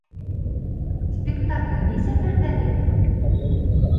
Спектакль нисә пәрҙәле?